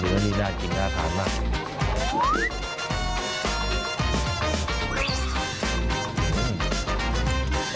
เนื้อนี่หน้ากลิ่นหน้ากลิ่นมาก